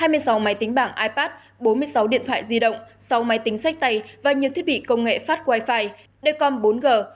hai mươi sáu máy tính bảng ipad bốn mươi sáu điện thoại di động sáu máy tính sách tay và nhiều thiết bị công nghệ phát wi fi đề com bốn g bộ đàm liên lạc